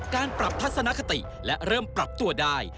การปรับทัศนคติและเริ่มปรับตัวได้